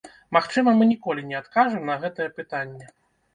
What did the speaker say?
Магчыма, мы ніколі не адкажам на гэтае пытанне.